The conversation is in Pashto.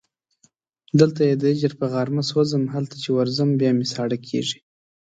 دلته یې د هجر په غارمه سوځم هلته چې ورځم بیا مې ساړه کېږي